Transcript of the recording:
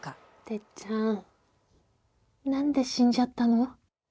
てっちゃん何で死んじゃったの？